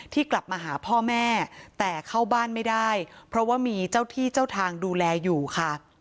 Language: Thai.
กลับมาหาพ่อแม่แต่เข้าบ้านไม่ได้เพราะว่ามีเจ้าที่เจ้าทางดูแลอยู่ค่ะ